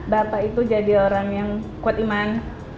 bapak itu jadi orang yang kuat iman